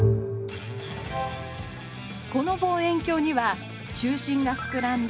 この望遠鏡には中心が膨らんだ凸